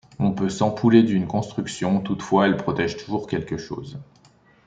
On peut s'ampouler d'une construction, toutefois elle protège toujours quelque chose.